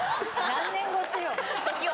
何年越しよ。